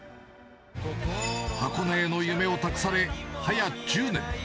箱根への夢を託されはや１０年。